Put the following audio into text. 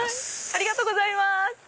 ありがとうございます。